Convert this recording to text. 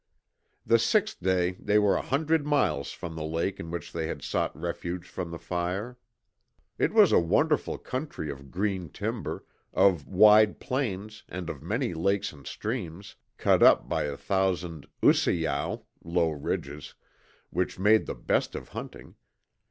The sixth day they were a hundred miles from the lake in which they had sought refuge from the fire. It was a wonderful country of green timber, of wide plains and of many lakes and streams cut up by a thousand usayow (low ridges), which made the best of hunting.